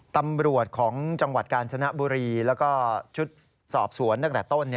ตำรวจของจังหวัดกาญจนบุรีแล้วก็ชุดสอบสวนตั้งแต่ต้น